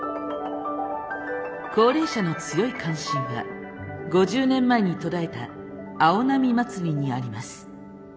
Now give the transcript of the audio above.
高齢者の強い関心は５０年前に途絶えた青波祭りにあります。